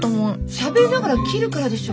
しゃべりながら切るからでしょ。